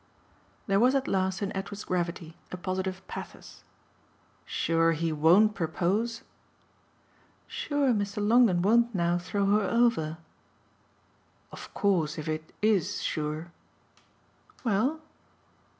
There was at last in Edward's gravity a positive pathos. "Sure he won't propose?" "Sure Mr. Longdon won't now throw her over." "Of course if it IS sure " "Well?"